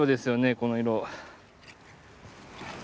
この色。